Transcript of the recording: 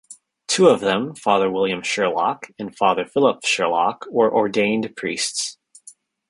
Two of them, Father William Sherlock and Father Philip Sherlock, were ordained priests.